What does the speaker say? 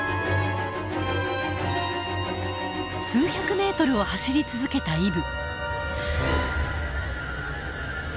数百メートルを走り続けたイブ。